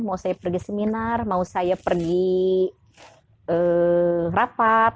mau saya pergi seminar mau saya pergi rapat